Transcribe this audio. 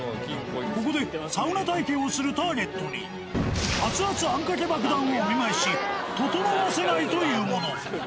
ここでサウナ体験をするターゲットに、熱々あんかけ爆弾をお見舞いし、ととのわせないというもの。